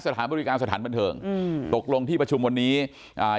สถานบริการสถานบันเทิงอืมตกลงที่ประชุมวันนี้อ่า